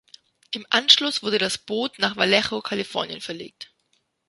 Im Anschluss wurde das Boot nach Vallejo, Kalifornien verlegt.